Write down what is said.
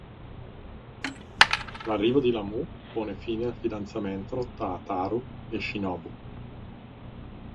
L'arrivo di Lamù pone fine al fidanzamento tra Ataru e Shinobu.